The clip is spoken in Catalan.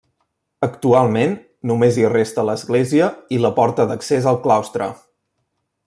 Actualment, només hi resta l'església i la porta d'accés al claustre.